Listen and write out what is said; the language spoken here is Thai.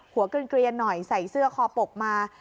เกลียนหน่อยใส่เสื้อคอปกมา